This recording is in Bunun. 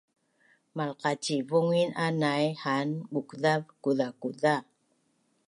Malqacivungin a nai han bukzav kuzakuza